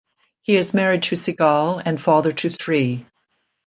He is married to Sigal and father to three.